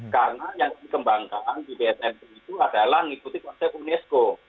karena yang dikembangkan di bsm itu adalah mengikuti konsep unesco